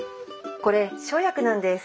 これ生薬なんです。